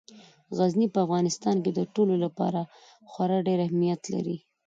غزني په افغانستان کې د ټولو لپاره خورا ډېر اهمیت لري.